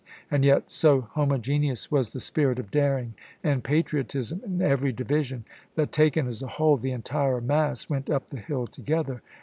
And yet so homo geneous was the spirit of daring and patriotism in every division that, taken as a whole, the entire mass went up the hill together.